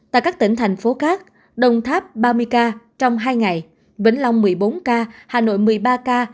tại các tỉnh thành phố khác đồng tháp ba mươi ca trong hai ngày vĩnh long một mươi bốn ca hà nội một mươi ba ca